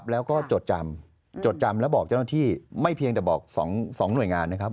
แล้วก็จดจำจดจำแล้วบอกเจ้าหน้าที่ไม่เพียงแต่บอก๒หน่วยงานนะครับ